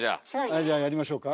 はいじゃあやりましょうか。